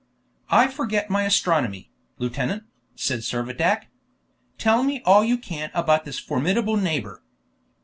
"I forget my astronomy, lieutenant," said Servadac. "Tell me all you can about this formidable neighbor."